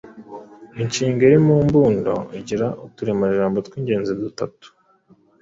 Inshinga iri mu mbundo igira uturemajambo tw’ingenzi dutatu